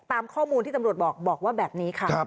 ตามข้อมูลที่ตำรวจบอกบอกว่าแบบนี้ค่ะ